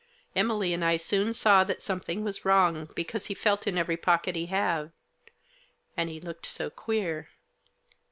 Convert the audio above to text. Emily and I soon saw that something was wrong, because he felt in every pocket he had. And he looked so queer.